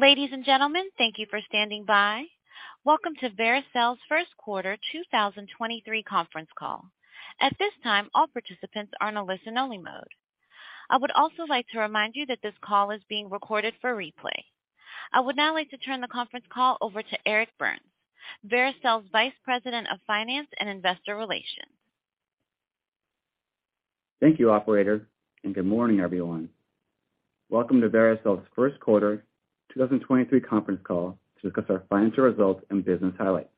Ladies and gentlemen, thank you for standing by. Welcome to Vericel's First Quarter 2023 Conference Call. At this time, all participants are in a listen-only mode. I would also like to remind you that this call is being recorded for replay. I would now like to turn the conference call over to Eric Burns, Vericel's Vice President of Finance and Investor Relations. Thank you, operator. Good morning, everyone. Welcome to Vericel's First Quarter 2023 Conference Call to discuss our financial results and business highlights.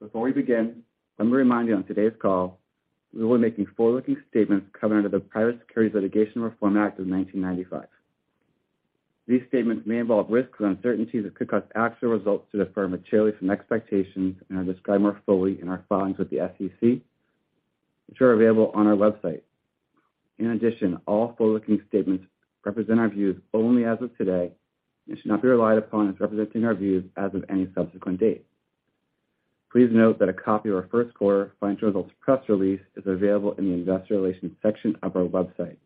Before we begin, let me remind you on today's call, we will be making forward-looking statements covered under the Private Securities Litigation Reform Act of 1995. These statements may involve risks and uncertainties that could cause actual results to differ materially from expectations and are described more fully in our filings with the SEC, which are available on our website. All forward-looking statements represent our views only as of today and should not be relied upon as representing our views as of any subsequent date. Please note that a copy of our first quarter financial results press release is available in the investor relations section of our website.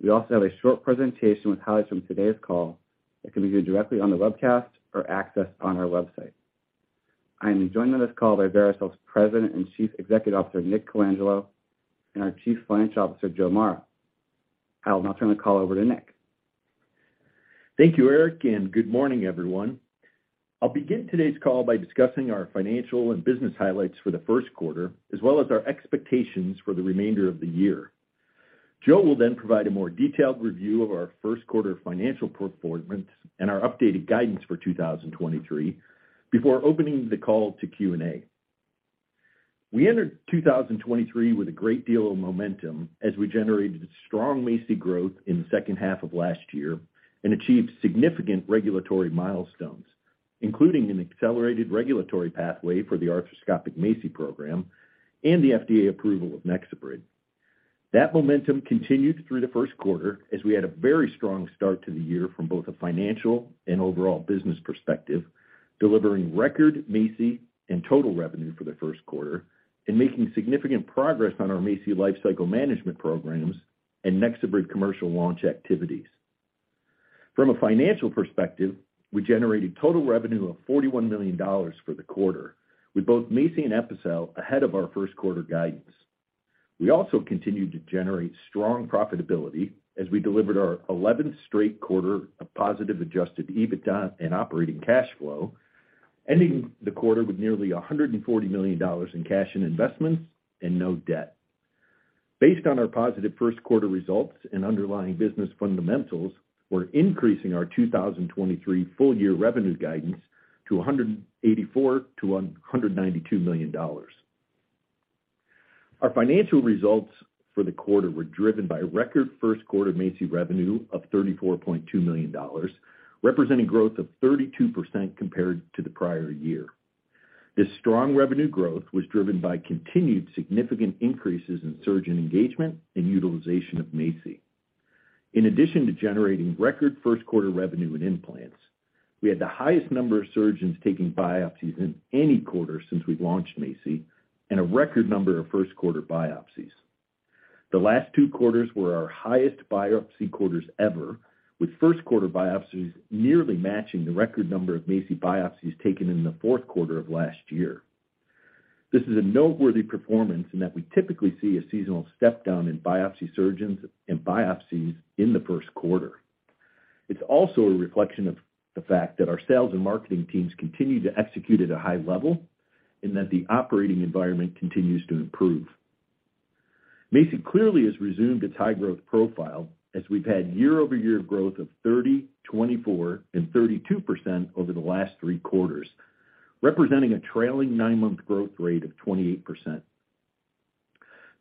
We also have a short presentation with highlights from today's call that can be viewed directly on the webcast or accessed on our website. I am joined on this call by Vericel's President and Chief Executive Officer, Nick Colangelo, and our Chief Financial Officer, Joe Mara. I will now turn the call over to Nick. Thank you, Eric, and good morning, everyone. I'll begin today's call by discussing our financial and business highlights for the first quarter, as well as our expectations for the remainder of the year. Joe will provide a more detailed review of our first quarter financial performance and our updated guidance for 2023 before opening the call to Q&A. We entered 2023 with a great deal of momentum as we generated strong MACI growth in the second half of last year and achieved significant regulatory milestones, including an accelerated regulatory pathway for the arthroscopic MACI program and the FDA approval of NexoBrid. That momentum continued through the first quarter as we had a very strong start to the year from both a financial and overall business perspective, delivering record MACI and total revenue for the first quarter and making significant progress on our MACI lifecycle management programs and NexoBrid commercial launch activities. From a financial perspective, we generated total revenue of $41 million for the quarter, with both MACI and Epicel ahead of our first quarter guidance. We also continued to generate strong profitability as we delivered our 11th straight quarter of positive adjusted EBITDA and operating cash flow, ending the quarter with nearly $140 million in cash and investments and no debt. Based on our positive first quarter results and underlying business fundamentals, we're increasing our 2023 full-year revenue guidance to $184 million-$192 million. Our financial results for the quarter were driven by record first quarter MACI revenue of $34.2 million, representing growth of 32% compared to the prior year. This strong revenue growth was driven by continued significant increases in surgeon engagement and utilization of MACI. In addition to generating record first quarter revenue in implants, we had the highest number of surgeons taking biopsies in any quarter since we launched MACI and a record number of first-quarter biopsies. The last two quarters were our highest biopsy quarters ever, with first-quarter biopsies nearly matching the record number of MACI biopsies taken in the fourth quarter of last year. This is a noteworthy performance in that we typically see a seasonal step down in biopsy surgeons and biopsies in the first quarter. It's also a reflection of the fact that our sales and marketing teams continue to execute at a high level and that the operating environment continues to improve. MACI clearly has resumed its high-growth profile as we've had year-over-year growth of 30%, 24%, and 32% over the last three quarters, representing a trailing nine-month growth rate of 28%.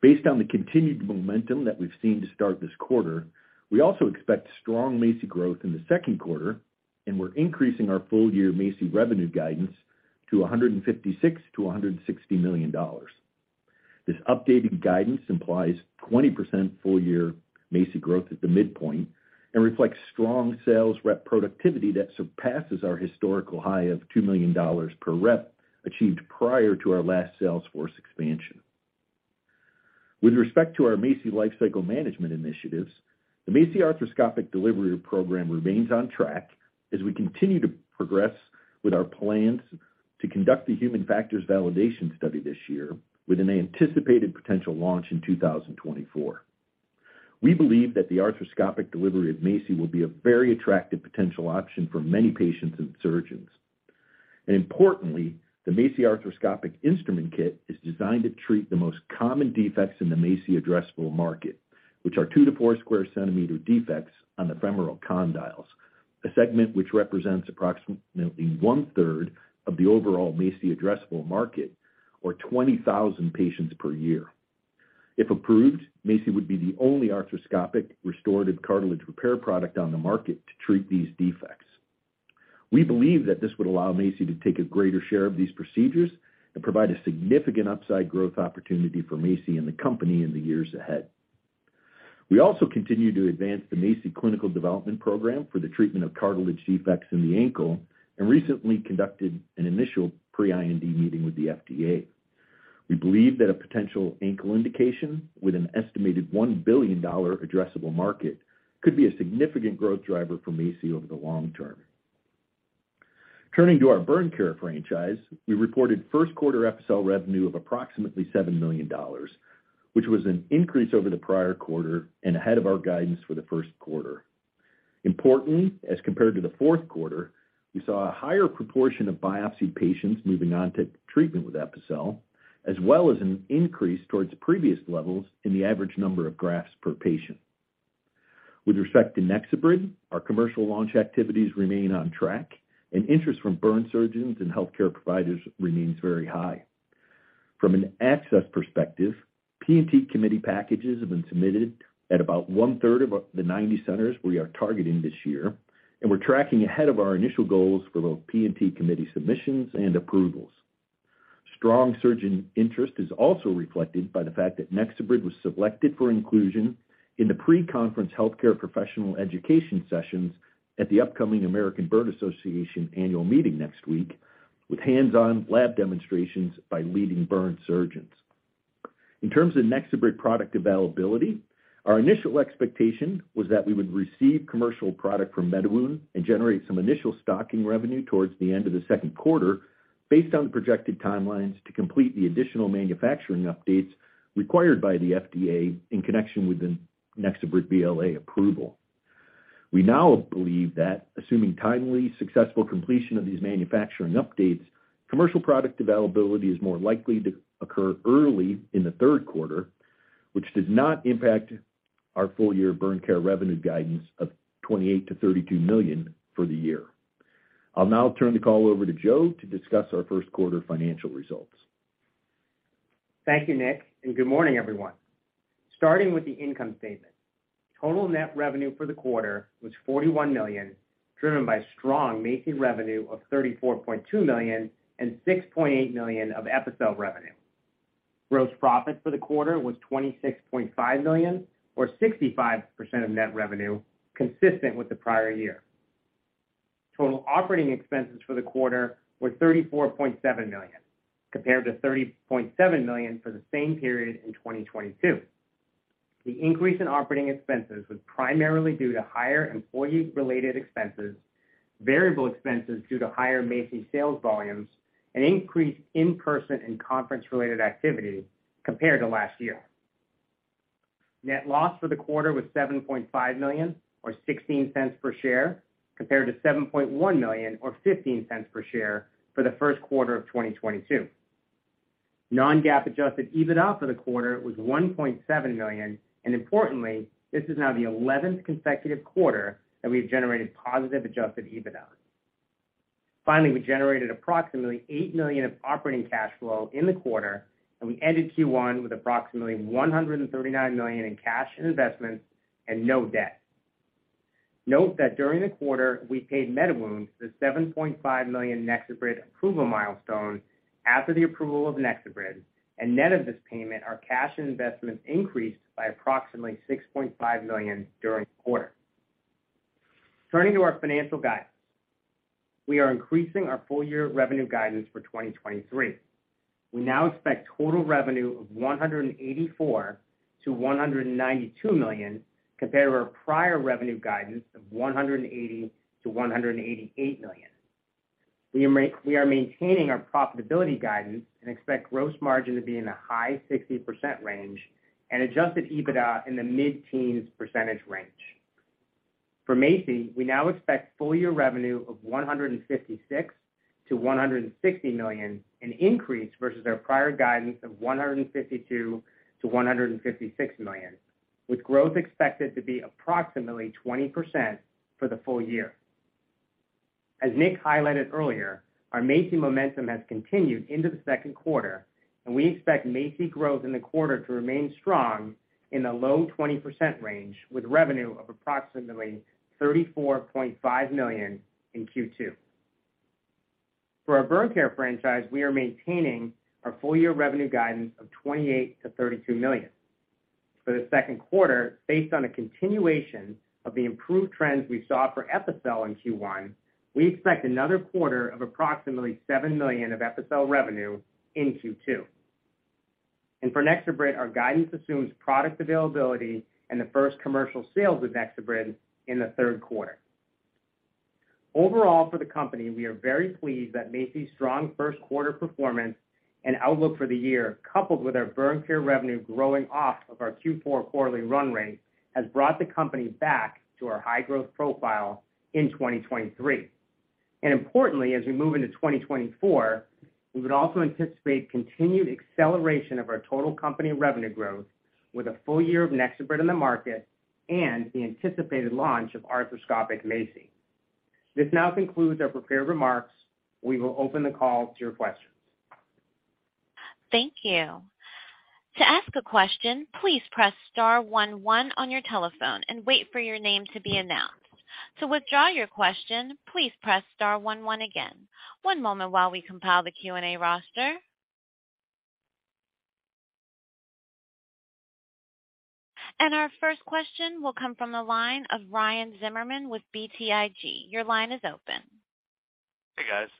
Based on the continued momentum that we've seen to start this quarter, we also expect strong MACI growth in the second quarter, and we're increasing our full-year MACI revenue guidance to $156 million-$160 million. This updated guidance implies 20% full-year MACI growth at the midpoint and reflects strong sales rep productivity that surpasses our historical high of $2 million per rep achieved prior to our last sales force expansion. With respect to our MACI lifecycle management initiatives, the MACI arthroscopic delivery program remains on track as we continue to progress with our plans to conduct the human factors validation study this year with an anticipated potential launch in 2024. We believe that the arthroscopic delivery of MACI will be a very attractive potential option for many patients and surgeons. Importantly, the MACI arthroscopic instrument kit is designed to treat the most common defects in the MACI addressable market, which are 2 sq cm-4 sq cm defects on the femoral condyles, a segment which represents approximately one-third of the overall MACI addressable market or 20,000 patients per year. If approved, MACI would be the only arthroscopic restorative cartilage repair product on the market to treat these defects. We believe that this would allow MACI to take a greater share of these procedures and provide a significant upside growth opportunity for MACI and the company in the years ahead. We also continue to advance the MACI clinical development program for the treatment of cartilage defects in the ankle and recently conducted an initial pre-IND meeting with the FDA. We believe that a potential ankle indication with an estimated $1 billion addressable market could be a significant growth driver for MACI over the long term. Turning to our burn care franchise, we reported first quarter Epicel revenue of approximately $7 million, which was an increase over the prior quarter and ahead of our guidance for the first quarter. Importantly, as compared to the fourth quarter, we saw a higher proportion of biopsy patients moving on to treatment with Epicel, as well as an increase towards previous levels in the average number of grafts per patient. With respect to NexoBrid, our commercial launch activities remain on track and interest from burn surgeons and healthcare providers remains very high. From an access perspective, P&T committee packages have been submitted at about one-third of the 90 centers we are targeting this year. We're tracking ahead of our initial goals for both P&T committee submissions and approvals. Strong surgeon interest is also reflected by the fact that NexoBrid was selected for inclusion in the pre-conference healthcare professional education sessions at the upcoming American Burn Association annual meeting next week, with hands-on lab demonstrations by leading burn surgeons. In terms of NexoBrid product availability, our initial expectation was that we would receive commercial product from MediWound and generate some initial stocking revenue towards the end of the second quarter based on the projected timelines to complete the additional manufacturing updates required by the FDA in connection with the NexoBrid BLA approval. We now believe that assuming timely, successful completion of these manufacturing updates, commercial product availability is more likely to occur early in the third quarter, which does not impact our full-year burn care revenue guidance of $28 million-$32 million for the year. I'll now turn the call over to Joe to discuss our first quarter financial results. Thank you, Nick. Good morning, everyone. Starting with the income statement. Total net revenue for the quarter was $41 million, driven by strong MACI revenue of $34.2 million and $6.8 million of Epicel revenue. Gross profit for the quarter was $26.5 million or 65% of net revenue, consistent with the prior year. Total operating expenses for the quarter were $34.7 million, compared to $30.7 million for the same period in 2022. The increase in operating expenses was primarily due to higher employee-related expenses, variable expenses due to higher MACI sales volumes, and increased in-person and conference-related activity compared to last year. Net loss for the quarter was $7.5 million or $0.16 per share, compared to $7.1 million or $0.15 per share for the first quarter of 2022. Non-GAAP adjusted EBITDA for the quarter was $1.7 million. Importantly, this is now the eleventh consecutive quarter that we have generated positive adjusted EBITDA. Finally, we generated approximately $8 million of operating cash flow in the quarter. We ended Q1 with approximately $139 million in cash and investments and no debt. Note that during the quarter, we paid MediWound the $7.5 million NexoBrid approval milestone after the approval of NexoBrid. Net of this payment, our cash and investments increased by approximately $6.5 million during the quarter. Turning to our financial guidance, we are increasing our full-year revenue guidance for 2023. We now expect total revenue of $184 million-$192 million compared to our prior revenue guidance of $180 million-$188 million. We are maintaining our profitability guidance and expect gross margin to be in the high 60% range and adjusted EBITDA in the mid-teens percentage range. For MACI, we now expect full-year revenue of $156 million-$160 million, an increase versus our prior guidance of $152 million-$156 million, with growth expected to be approximately 20% for the full year. As Nick highlighted earlier, our MACI momentum has continued into the second quarter, and we expect MACI growth in the quarter to remain strong in the low 20% range, with revenue of approximately $34.5 million in Q2. For our burn care franchise, we are maintaining our full-year revenue guidance of $28 million-$32 million. For the second quarter, based on a continuation of the improved trends we saw for Epicel in Q1, we expect another quarter of approximately $7 million of Epicel revenue in Q2. For NexoBrid, our guidance assumes product availability and the first commercial sales of NexoBrid in the third quarter. Overall, for the company, we are very pleased that MACI's strong first quarter performance and outlook for the year, coupled with our burn care revenue growing off of our Q4 quarterly run rate, has brought the company back to our high-growth profile in 2023. Importantly, as we move into 2024, we would also anticipate continued acceleration of our total company revenue growth with a full year of NexoBrid in the market and the anticipated launch of arthroscopic MACI. This now concludes our prepared remarks. We will open the call to your questions. Thank you. To ask a question, please press star one one on your telephone and wait for your name to be announced. To withdraw your question, please press star one one again. One moment while we compile the Q&A roster. Our first question will come from the line of Ryan Zimmerman with BTIG. Your line is open. Hey, guys.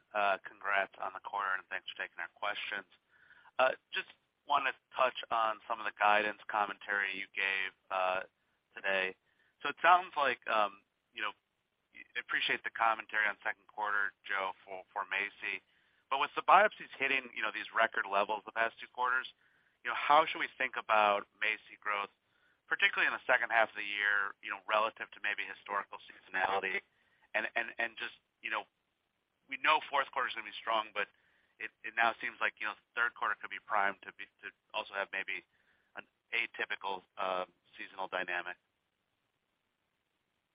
Congrats on the quarter, thanks for taking our questions. Just wanna touch on some of the guidance commentary you gave today. It sounds like, you know, appreciate the commentary on second quarter, Joe, for MACI. With the biopsies hitting, you know, these record levels the past two quarters, you know, how should we think about MACI growth, particularly in the second half of the year, you know, relative to maybe historical seasonality? And just, you know, we know fourth quarter's gonna be strong, it now seems like, you know, third quarter could be primed to also have maybe an atypical seasonal dynamic.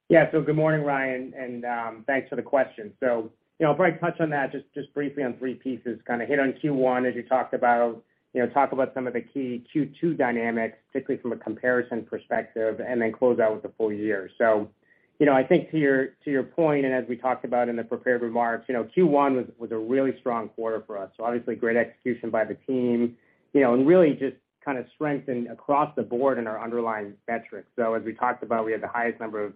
Yeah. Good morning, Ryan, and thanks for the question. You know, if I touch on that just briefly on three pieces, kinda hit on Q1, as you talked about, you know, talk about some of the key Q2 dynamics, particularly from a comparison perspective, and then close out with the full year. You know, I think to your point, and as we talked about in the prepared remarks, you know, Q1 was a really strong quarter for us, so obviously great execution by the team, you know, and really just kinda strengthened across the board in our underlying metrics. As we talked about, we had the highest number of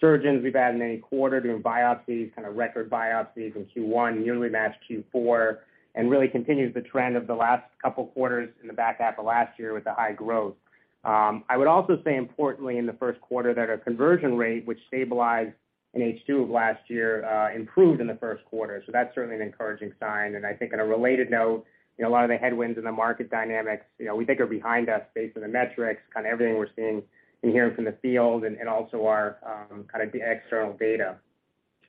surgeons we've had in any quarter doing biopsies, kinda record biopsies in Q1, nearly matched Q4, and really continues the trend of the last couple quarters in the back half of last year with the high growth. I would also say importantly in the first quarter that our conversion rate, which stabilized in H2 of last year, improved in the first quarter, so that's certainly an encouraging sign. I think on a related note, you know, a lot of the headwinds in the market dynamics, you know, we think are behind us based on the metrics, kinda everything we're seeing and hearing from the field and also our, kinda the external data.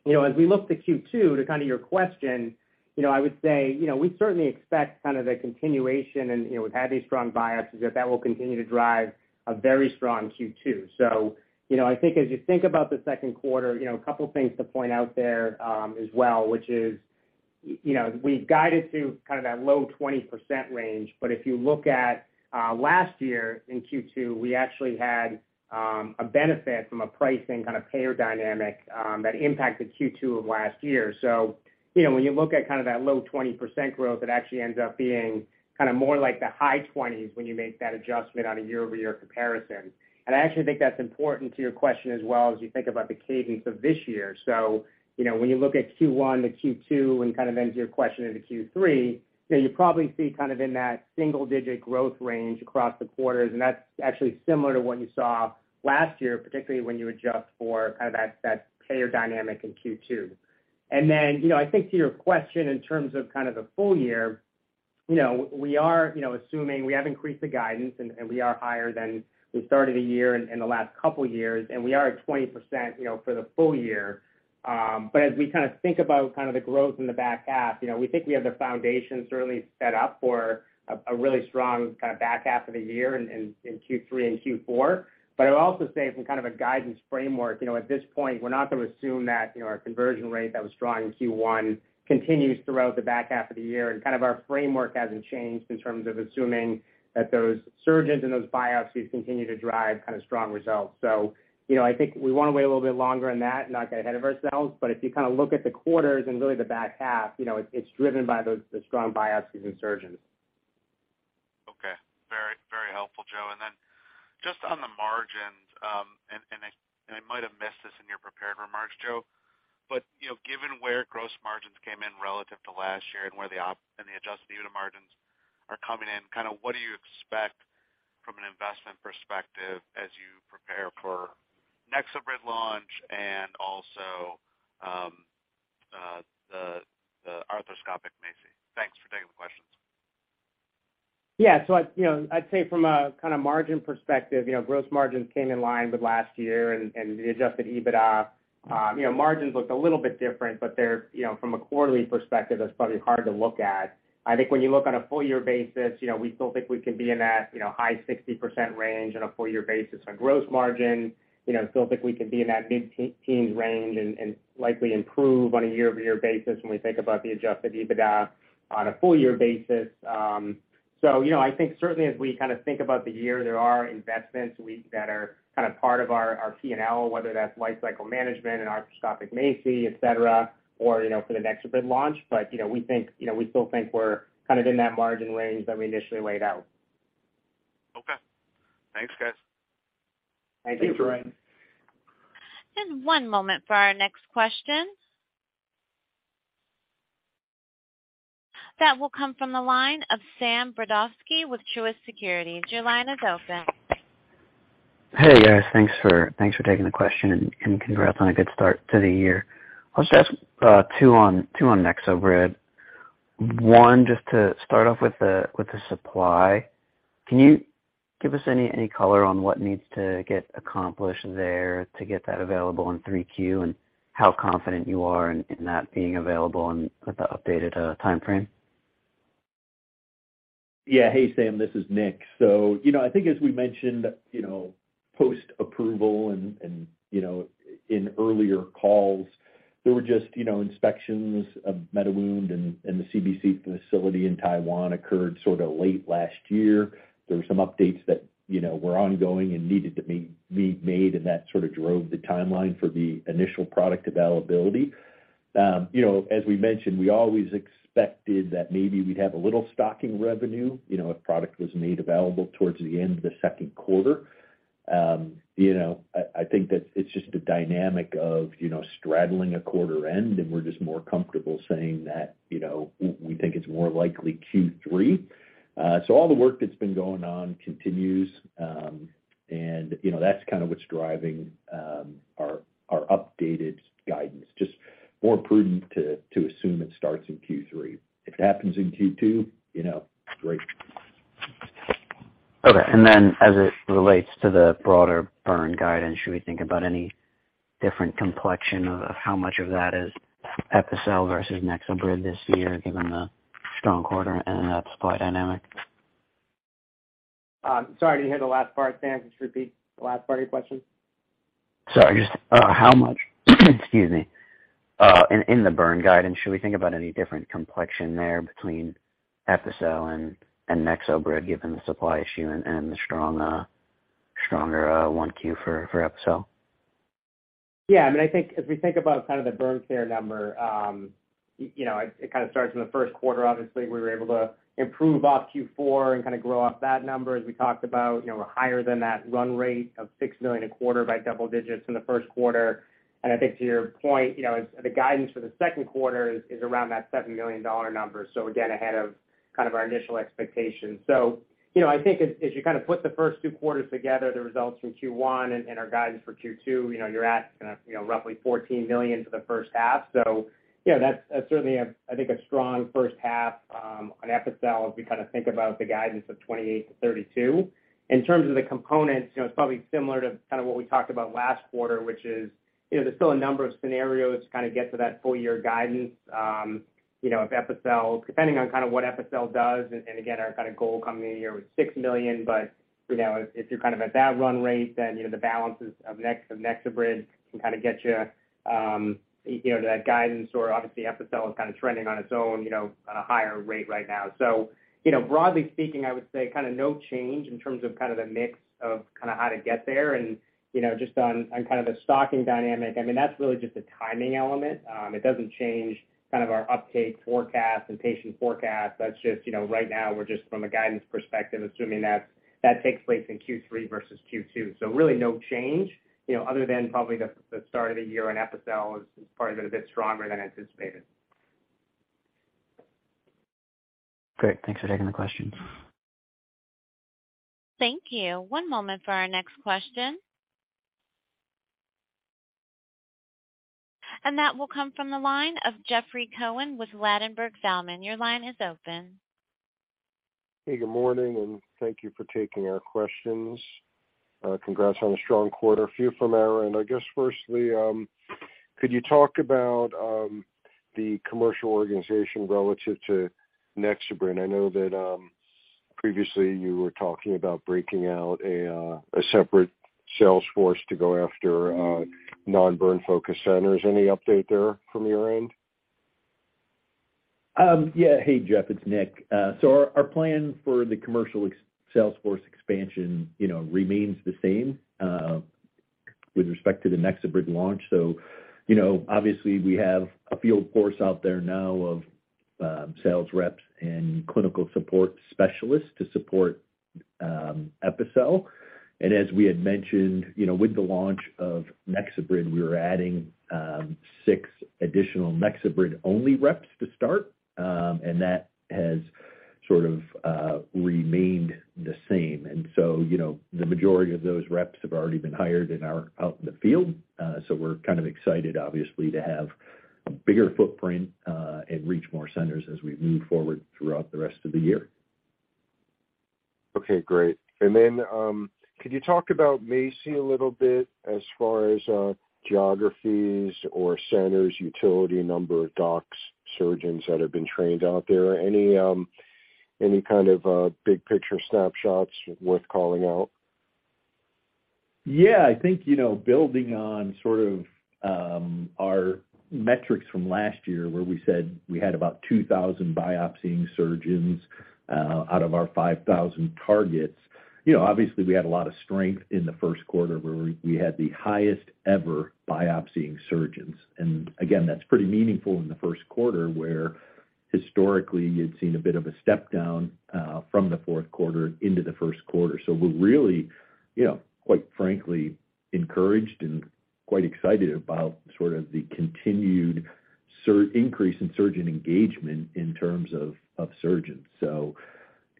You know, as we look to Q2, to kinda your question, you know, I would say, you know, we certainly expect kind of the continuation and, you know, we've had these strong biases that will continue to drive a very strong Q2. I think as you think about the second quarter, you know, a couple things to point out there as well, which is, you know, we've guided to kind of that low 20% range. If you look at last year in Q2, we actually had a benefit from a pricing kind of payer dynamic that impacted Q2 of last year. When you look at kinda that low 20% growth, it actually ends up being kinda more like the high 20s when you make that adjustment on a year-over-year comparison. I actually think that's important to your question as well as you think about the cadence of this year. You know, when you look at Q1 to Q2 and kind of answer your question into Q3, you know, you probably see kind of in that single-digit growth range across the quarters, and that's actually similar to what you saw last year, particularly when you adjust for kind of that payer dynamic in Q2. You know, I think to your question in terms of kind of the full year, you know, we are, you know, assuming we have increased the guidance and we are higher than we started the year in the last couple years, and we are at 20%, you know, for the full year. As we think about the growth in the back half, you know, we think we have the foundation certainly set up for a really strong back half of the year in Q3 and Q4. I would also say from kind of a guidance framework, you know, at this point we're not to assume that, you know, our conversion rate that was strong in Q1 continues throughout the back half of the year and kind of our framework hasn't changed in terms of assuming that those surgeons and those biopsies continue to drive strong results. I think we wanna wait a little bit longer on that, not get ahead of ourselves, but if you look at the quarters and really the back half, you know, it's driven by those, the strong biopsies and surgeons. Okay. Very, very helpful, Joe. Then just on the margins, I might have missed this in your prepared remarks, Joe, but, you know, given where gross margins came in relative to last year and where the adjusted EBITDA margins are coming in, kinda what do you expect from an investment perspective as you prepare for NexoBrid launch and also, the arthroscopic MACI? Thanks for taking the questions. I, you know, I'd say from a kinda margin perspective, you know, gross margins came in line with last year, and the adjusted EBITDA, you know, margins looked a little bit different, but they're, you know, from a quarterly perspective, that's probably hard to look at. I think when you look on a full year basis, you know, we still think we can be in that, you know, high 60% range on a full year basis on gross margin. You know, still think we can be in that mid-teens range and likely improve on a year-over-year basis when we think about the adjusted EBITDA on a full year basis. You know, I think certainly as we kinda think about the year, there are investments that are kinda part of our P&L, whether that's lifecycle management and arthroscopic MACI, et cetera, or, you know, for the NexoBrid launch. You know, we think, you know, we still think we're kind of in that margin range that we initially laid out. Okay. Thanks, guys. Thank you. One moment for our next question. That will come from the line of Sam Brodovsky with Truist Securities. Your line is open. Hey, guys. Thanks for taking the question and congrats on a good start to the year. I'll just ask two on NexoBrid. One, just to start off with the supply, can you give us any color on what needs to get accomplished there to get that available in 3Q and how confident you are in that being available and with the updated timeframe? Yeah. Hey, Sam, this is Nick. You know, I think as we mentioned, you know, post-approval and, you know, in earlier calls, there were just, you know, inspections of MediWound and the CBC facility in Taiwan occurred sorta late last year. There were some updates that, you know, were ongoing and needed to be made, and that sort of drove the timeline for the initial product availability. You know, as we mentioned, we always expected that maybe we'd have a little stocking revenue, you know, if product was made available towards the end of the second quarter. You know, I think that it's just the dynamic of, you know, straddling a quarter end, and we're just more comfortable saying that, you know, we think it's more likely Q3. All the work that's been going on continues, and you know, that's kind of what's driving, our updated guidance. Just more prudent to assume it starts in Q3. If it happens in Q2, you know, great. Okay. Then as it relates to the broader burn guidance, should we think about any different complexion of how much of that is Epicel versus NexoBrid this year, given the strong quarter and that supply dynamic? Sorry, I didn't hear the last part, Sam. Could you repeat the last part of your question? Sorry. Just, how much, excuse me, in the burn guidance, should we think about any different complexion there between Epicel and NexoBrid, given the supply issue and the strong, stronger, 1Q for Epicel? Yeah. I mean, I think as we think about kind of the burn care number, you know, it kind of starts in the first quarter. Obviously, we were able to improve off Q4 and kind of grow off that number, as we talked about. You know, we're higher than that run rate of $6 million a quarter by double digits in the first quarter. I think to your point, you know, the guidance for the second quarter is around that $7 million number. Again, ahead of kind of our initial expectations. You know, I think as you kind of put the first two quarters together, the results from Q1 and our guidance for Q2, you know, you're at kind of, you know, roughly $14 million for the first half. Yeah, that's certainly a, I think, a strong first half on Epicel as we kinda think about the guidance of $28 million-$32 million. In terms of the components, you know, it's probably similar to kinda what we talked about last quarter, which is, you know, there's still a number of scenarios to kinda get to that full year guidance, you know, of Epicel. Depending on kind of what Epicel does, and again, our kind of goal coming into the year was $6 million. You know, if you're kind of at that run rate, then, you know, the balances of NexoBrid can kinda get you know, to that guidance, or obviously Epicel is kind of trending on its own, you know, on a higher rate right now. You know, broadly speaking, I would say kinda no change in terms of kind of the mix of kinda how to get there. You know, just on kind of the stocking dynamic, I mean, that's really just a timing element. It doesn't change kind of our uptake forecast and patient forecast. That's just, you know, right now we're just from a guidance perspective, assuming that that takes place in Q3 versus Q2. Really no change, you know, other than probably the start of the year on Epicel is probably been a bit stronger than anticipated. Great. Thanks for taking the question. Thank you. One moment for our next question. That will come from the line of Jeffrey Cohen with Ladenburg Thalmann. Your line is open. Hey, good morning, thank you for taking our questions. Congrats on a strong quarter. Few from our end. I guess firstly, could you talk about the commercial organization relative to NexoBrid? I know that previously you were talking about breaking out a separate sales force to go after non-burn-focused centers. Any update there from your end? Yeah. Hey, Jeff, it's Nick. Our, our plan for the commercial ex-sales force expansion, you know, remains the same with respect to the NexoBrid launch. You know, obviously we have a field force out there now of sales reps and clinical support specialists to support Epicel. As we had mentioned, you know, with the launch of NexoBrid, we were adding six additional NexoBrid-only reps to start, and that has sort of remained the same. you know, the majority of those reps have already been hired and are out in the field, so we're kind of excited obviously to have a bigger footprint and reach more centers as we move forward throughout the rest of the year. Okay. Great. Could you talk about MACI a little bit as far as geographies or centers, utility, number of docs, surgeons that have been trained out there, any kind of big picture snapshots worth calling out? Yeah. I think, you know, building on sort of our metrics from last year where we said we had about 2,000 biopsying surgeons out of our 5,000 targets. You know, obviously we had a lot of strength in the first quarter where we had the highest ever biopsying surgeons. Again, that's pretty meaningful in the first quarter, where historically you'd seen a bit of a step down from the fourth quarter into the first quarter. We're really, you know, quite frankly encouraged and quite excited about sort of the continued increase in surgeon engagement in terms of surgeons.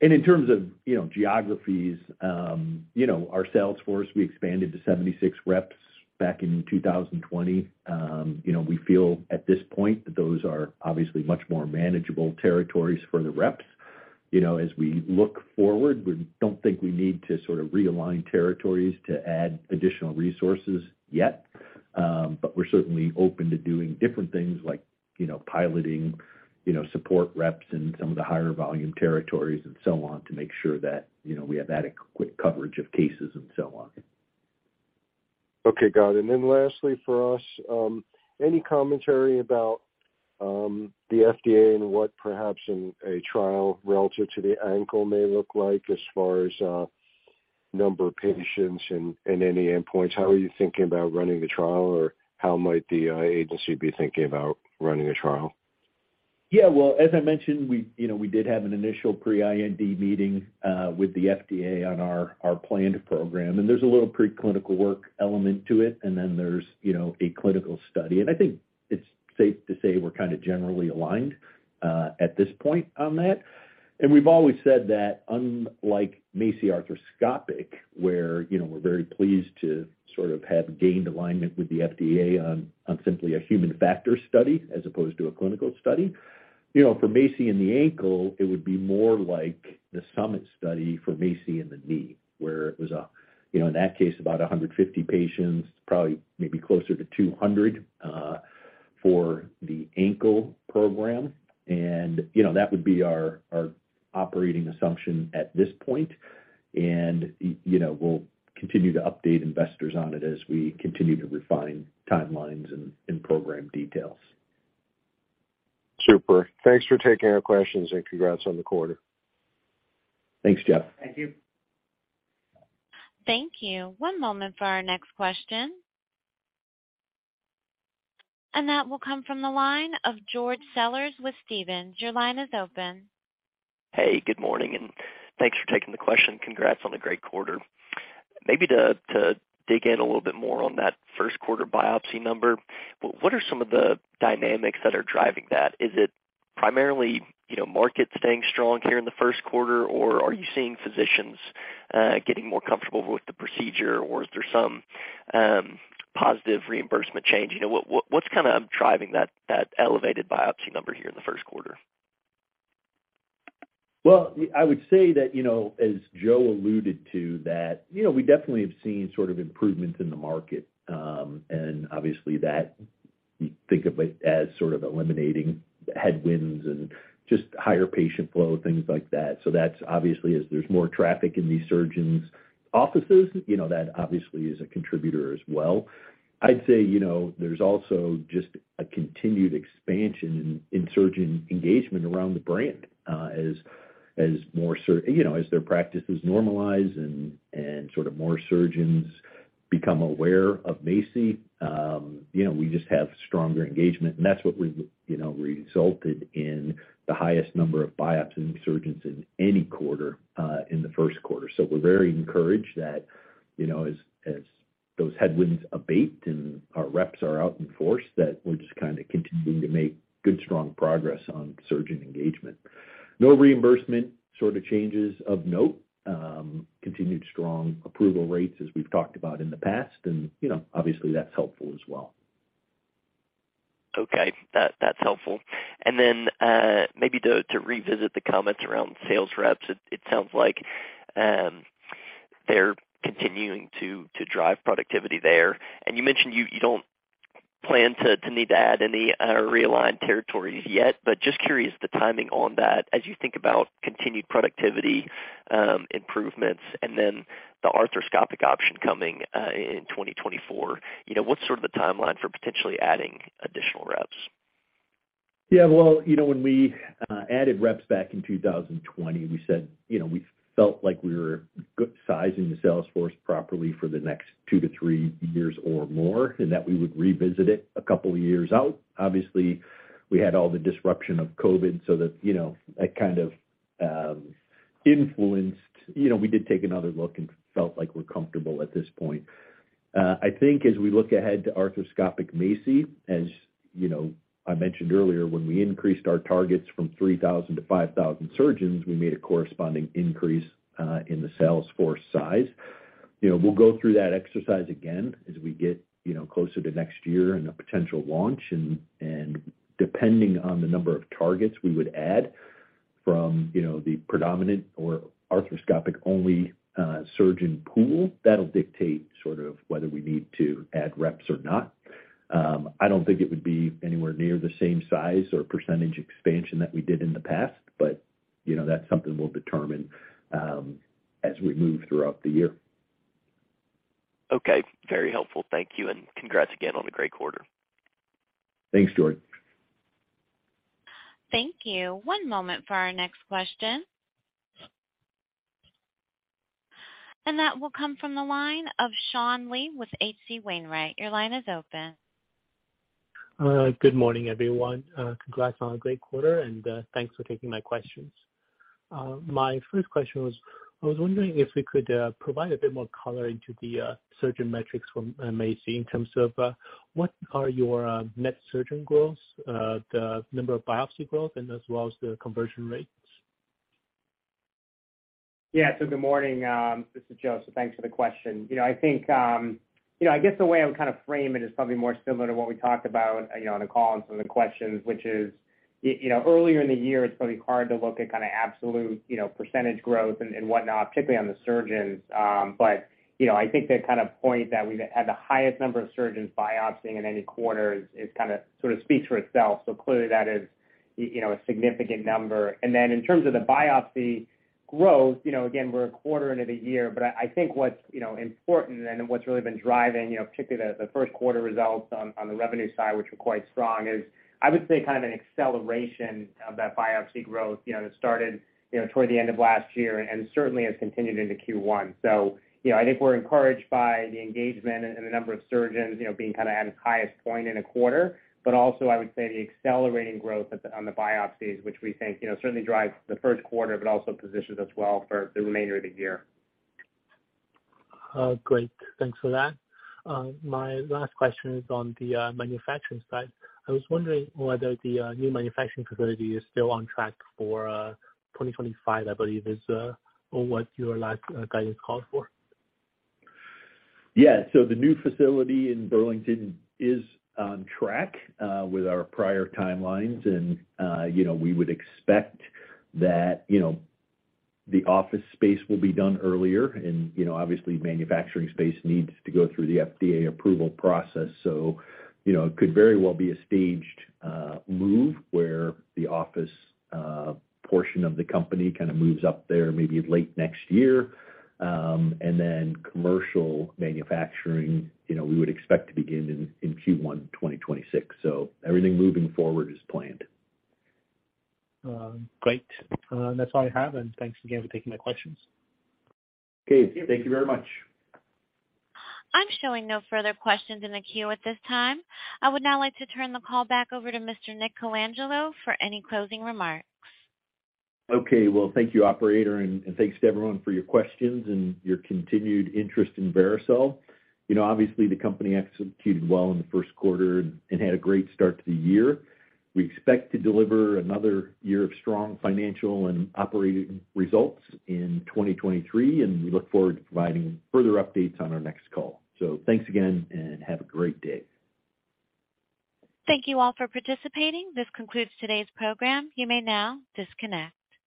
In terms of, you know, geographies, our sales force, we expanded to 76 reps back in 2020. You know, we feel at this point that those are obviously much more manageable territories for the reps. You know, as we look forward, we don't think we need to sort of realign territories to add additional resources yet. We're certainly open to doing different things like, you know, piloting, you know, support reps in some of the higher volume territories and so on to make sure that, you know, we have adequate coverage of cases and so on. Okay, got it. Lastly for us, any commentary about the FDA and what perhaps in a trial relative to the ankle may look like as far as number of patients and any endpoints? How are you thinking about running the trial, or how might the agency be thinking about running a trial? Well, as I mentioned, we, you know, we did have an initial pre-IND meeting with the FDA on our planned program. There's a little preclinical work element to it. Then there's, you know, a clinical study. I think it's safe to say we're kind of generally aligned at this point on that. We've always said that unlike MACI arthroscopic, where, you know, we're very pleased to sort of have gained alignment with the FDA on simply a human factors study as opposed to a clinical study, you know, for MACI in the ankle, it would be more like the SUMMIT study for MACI in the knee, where it was, you know, in that case, about 150 patients, probably maybe closer to 200 for the ankle program. You know, that would be our operating assumption at this point. You know, we'll continue to update investors on it as we continue to refine timelines and program details. Super. Thanks for taking our questions, and congrats on the quarter. Thanks, Jeff. Thank you. Thank you. One moment for our next question. That will come from the line of George Sellers with Stephens. Your line is open. Hey, good morning. Thanks for taking the question. Congrats on a great quarter. Maybe to dig in a little bit more on that first quarter biopsy number, what are some of the dynamics that are driving that? Is it primarily, you know, market staying strong here in the first quarter, or are you seeing physicians getting more comfortable with the procedure, or is there some positive reimbursement change? You know, what's kind of driving that elevated biopsy number here in the first quarter? I would say that, you know, as Joe alluded to, that, you know, we definitely have seen sort of improvements in the market. Obviously that we think of it as sort of eliminating headwinds and just higher patient flow, things like that. That's obviously as there's more traffic in these surgeons' offices, you know, that obviously is a contributor as well. I'd say, you know, there's also just a continued expansion in surgeon engagement around the brand, you know, as their practices normalize and sort of more surgeons become aware of MACI, you know, we just have stronger engagement. That's what, you know, resulted in the highest number of biopsying surgeons in any quarter, in the first quarter. We're very encouraged that, you know, as those headwinds abate and our reps are out in force, that we're just kind of continuing to make good, strong progress on surgeon engagement. No reimbursement sort of changes of note. continued strong approval rates as we've talked about in the past. you know, obviously that's helpful as well. Okay. That's helpful. Then, maybe to revisit the comments around sales reps, it sounds like they're continuing to drive productivity there. You mentioned you don't plan to need to add any or realign territories yet, but just curious the timing on that as you think about continued productivity improvements and then the arthroscopic option coming in 2024. You know, what's sort of the timeline for potentially adding additional reps? Well, you know, when we added reps back in 2020, we said, you know, we felt like we were sizing the sales force properly for the next two to three years or more, and that we would revisit it a couple of years out. We had all the disruption of COVID so that, you know, that kind of influenced. We did take another look and felt like we're comfortable at this point. I think as we look ahead to arthroscopic MACI, as you know, I mentioned earlier, when we increased our targets from 3,000-5,000 surgeons, we made a corresponding increase in the sales force size. We'll go through that exercise again as we get, you know, closer to next year and a potential launch. Depending on the number of targets we would add from, you know, the predominant or arthroscopic-only surgeon pool, that'll dictate sort of whether we need to add reps or not. I don't think it would be anywhere near the same size or percentage expansion that we did in the past, you know, that's something we'll determine as we move throughout the year. Okay. Very helpful. Thank you. Congrats again on the great quarter. Thanks, George. Thank you. One moment for our next question. That will come from the line of Sean Lee with H.C. Wainwright. Your line is open. Good morning, everyone. Congrats on a great quarter, and thanks for taking my questions. My first question was, I was wondering if we could provide a bit more color into the surgeon metrics from MACI in terms of what are your net surgeon growths, the number of biopsy growth, and as well as the conversion rates? Yeah. Good morning. This is Joe, so thanks for the question. You know, I think, you know, I guess the way I would kind of frame it is probably more similar to what we talked about, you know, on the call and some of the questions, which is, you know, earlier in the year, it's probably hard to look at kind of absolute, you know, percentage growth and whatnot, particularly on the surgeons. You know, I think the kind of point that we've had the highest number of surgeons biopsying in any quarter is kinda sort of speaks for itself. Clearly that is you know, a significant number. In terms of the biopsy growth, you know, again, we're a quarter into the year, but I think what's, you know, important and what's really been driving, you know, particularly the first quarter results on the revenue side, which were quite strong, is, I would say, kind of an acceleration of that biopsy growth, you know, that started, you know, toward the end of last year and certainly has continued into Q1. I think we're encouraged by the engagement and the number of surgeons, you know, being kind of at its highest point in a quarter, but also I would say the accelerating growth on the biopsies, which we think, you know, certainly drives the first quarter, but also positions us well for the remainder of the year. Great. Thanks for that. My last question is on the manufacturing side. I was wondering whether the new manufacturing facility is still on track for 2025, I believe is what your last guidance called for. Yeah. The new facility in Burlington is on track with our prior timelines. We would expect that, you know, the office space will be done earlier and, you know, obviously manufacturing space needs to go through the FDA approval process. It could very well be a staged move where the office portion of the company kind of moves up there maybe late next year. Commercial manufacturing, you know, we would expect to begin in Q1 2026. Everything moving forward as planned. Great, that's all I have, and thanks again for taking my questions. Okay. Thank you very much. I'm showing no further questions in the queue at this time. I would now like to turn the call back over to Mr. Nick Colangelo for any closing remarks. Okay. Well, thank you, operator, and thanks to everyone for your questions and your continued interest in Vericel. You know, obviously, the company executed well in the first quarter and had a great start to the year. We expect to deliver another year of strong financial and operating results in 2023, and we look forward to providing further updates on our next call. Thanks again, and have a great day. Thank you all for participating. This concludes today's program. You may now disconnect.